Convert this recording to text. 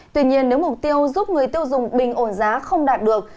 tuy nhiên nếu mục tiêu giúp người tiêu dùng bình ổn giá không đạt được